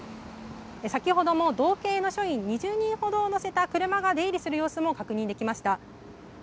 先ほども道警の署員２０人ほど乗せた車が出入りする様子も確認できました。